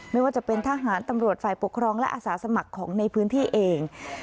ไม่ว่าจะเป็นทหารตำรวจฝ่ายปกครองและอาสาสมัครของในพื้นที่เอง